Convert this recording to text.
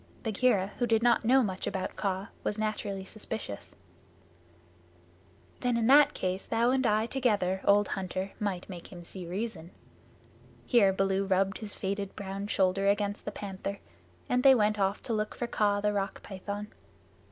Bagheera, who did not know much about Kaa, was naturally suspicious. "Then in that case, thou and I together, old hunter, might make him see reason." Here Baloo rubbed his faded brown shoulder against the Panther, and they went off to look for Kaa the Rock Python.